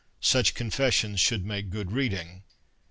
Such confessions should make good reading.